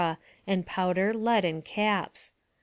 and powder, lead, and caps.